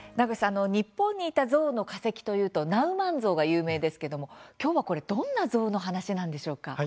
日本にいたゾウの化石というとナウマンゾウが有名ですけれどきょうはどんなゾウの話なんですか？